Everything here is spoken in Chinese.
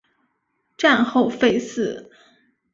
战后废寺。